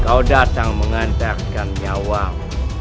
kau datang mengantarkan nyawam